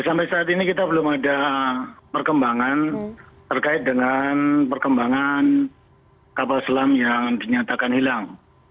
sampai saat ini kita belum ada perkembangan terkait dengan perkembangan kapal selam yang dinyatakan hilang